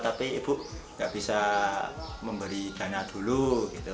tapi ibu nggak bisa memberi dana dulu gitu